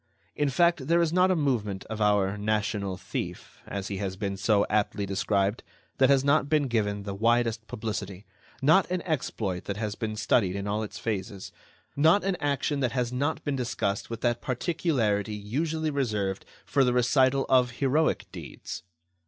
In fact, there is not a movement of our "national thief," as he has been so aptly described, that has not been given the widest publicity, not an exploit that has not been studied in all its phases, not an action that has not been discussed with that particularity usually reserved for the recital of heroic deeds.